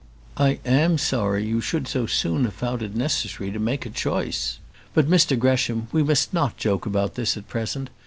"I am sorry you should so soon have found it necessary to make a choice. But, Mr Gresham, we must not joke about this at present.